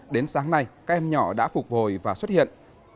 đến sáng nay các em nhỏ đã phục hồi và xuất hiện